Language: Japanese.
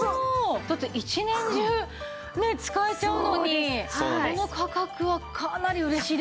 だって一年中使えちゃうのにこの価格はかなり嬉しいですよね。